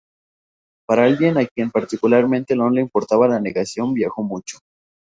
Para alguien a quien particularmente no le importaba la navegación viajó mucho.